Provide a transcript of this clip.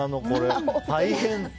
大変！